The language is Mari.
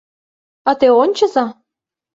— А те ончыза!